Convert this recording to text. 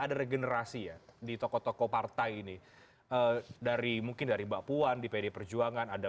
ada regenerasi ya di tokoh tokoh partai ini dari mungkin dari mbak puan di pd perjuangan ada